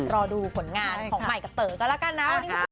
รอดูผลงานของใหม่กับเต๋อก็แล้วกันนะวันนี้